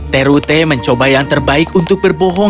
terute mencoba yang terbaik untuk berbohong